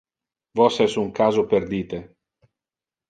Vos es un caso perdite.